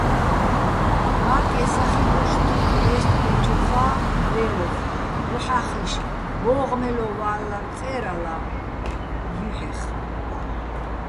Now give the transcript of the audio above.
ბა́კე სახილუშ თოჴ ლე́სტდოჩოხა́ ლე́ოხ მოჰ̦ახიშ ბო́ღმელო ვა́ლლარ წე́რალა ჲუჰ̦ეხ.